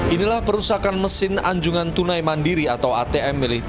inilah perusahaan mesin anjungan tunai mandiri atau atm milik